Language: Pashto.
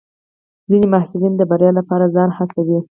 ځینې محصلین د بریا لپاره ځان هڅوي.